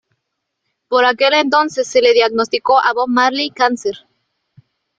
Por aquel entonces se le diagnosticó a Bob Marley cáncer.